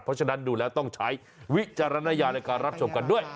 เพราะฉะนั้นดูแล้วต้องใช้วิจารณญาในการรับชมกันด้วย